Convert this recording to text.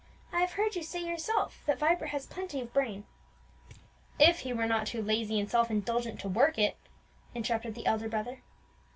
I have heard you say yourself that Vibert has plenty of brain." "If he were not too lazy and self indulgent to work it," interrupted the elder brother.